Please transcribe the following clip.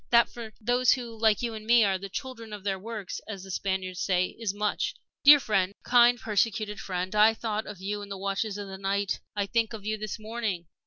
That, for those who, like you and me, are the 'children of their works,' as the Spaniards say, is much. "Dear friend kind, persecuted friend! I thought of you in the watches of the night I think of you this morning.